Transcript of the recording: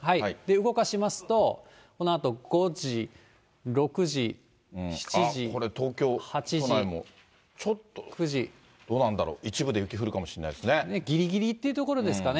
動かしますと、あっ、これ、東京都内も、ちょっとどうなんだろう、一部で雪降るかもしれないぎりぎりというところですかね。